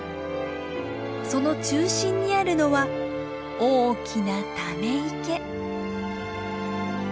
その中心にあるのは大きなため池。